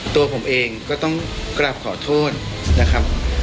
ตัวผมเองก็ต้องกลับขอโทษนะครับ